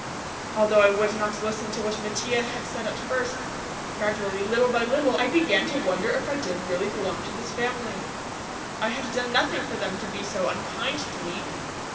Although I would not listen to what Mattia had said at first, gradually, little by little, I began to wonder if I did really belong to this family. I had done nothing for them to be so unkind to me.